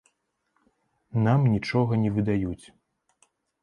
Нам нічога не выдаюць.